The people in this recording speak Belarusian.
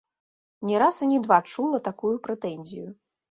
Не раз і не два чула такую прэтэнзію.